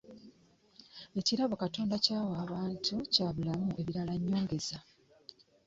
Ekirabo Katonda ky'awa abantu kya bulamu ebirala nnyongeza.